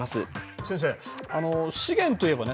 先生あの資源といえばね